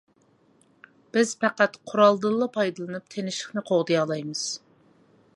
بىز پەقەت قورالدىنلا پايدىلىنىپ تىنچلىقنى قوغدىيالايمىز.